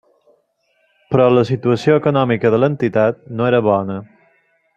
Però la situació econòmica de l'entitat no era bona.